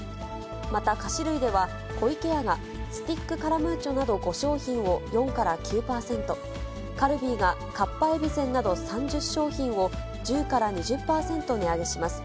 また菓子類では、湖池屋がスティックカラムーチョなど５商品を４から９％、カルビーがかっぱえびせんなど３０商品を１０から２０％値上げします。